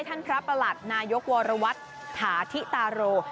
พระประหลัดนายกวรวัตน์ถาธิตาโรย์